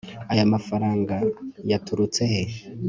aya mafaranga yaturutse he